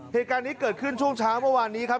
เหตุการณ์นี้เกิดขึ้นช่วงเช้าเมื่อวานนี้ครับ